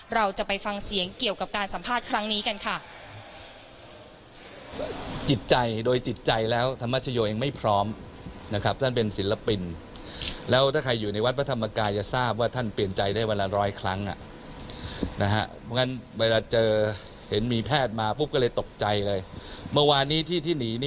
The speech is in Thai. เราจะไปฟังเสียงเกี่ยวกับการสัมภาษณ์ครั้งนี้กันค่ะ